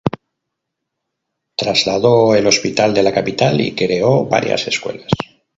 Trasladó el hospital de la Capital y creó varias escuelas.